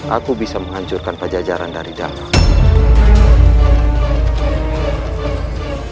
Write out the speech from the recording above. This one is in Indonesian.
aku bisa menghancurkan pajajaran dari dalam